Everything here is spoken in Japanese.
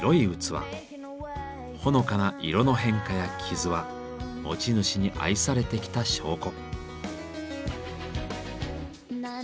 ほのかな色の変化や傷は持ち主に愛されてきた証拠。